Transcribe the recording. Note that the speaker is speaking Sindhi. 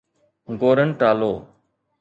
گورنٽالو